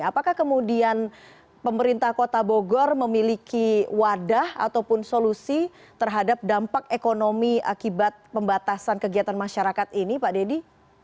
apakah kemudian pemerintah kota bogor memiliki wadah ataupun solusi terhadap dampak ekonomi akibat pembatasan kegiatan masyarakat ini pak dedy